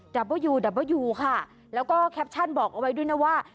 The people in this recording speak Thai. ับเบอร์ยูดับเบอร์ยูค่ะแล้วก็แคปชั่นบอกเอาไว้ด้วยนะว่า